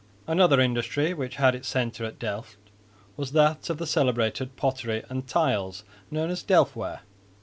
Another industry, which had its centre at Delft, was that of the celebrated pottery and tiles known as "delfware."